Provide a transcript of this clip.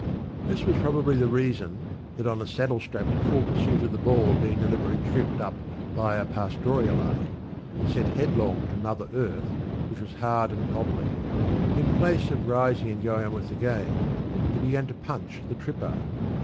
This was probably the reason that on a Saddlestrap in full pursuit of the ball being deliberately tripped up by a ‘Pastorialite,’ and sent headlong to mother earth, which was hard and knobby, in place of rising and going on with the game, he began to punch the tripper.